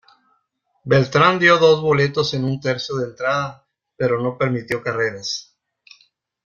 Beltrán dio dos boletos en un tercio de entrada, pero no permitió carreras.